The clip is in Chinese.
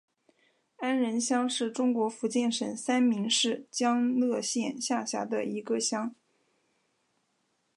安仁乡是中国福建省三明市将乐县下辖的一个乡。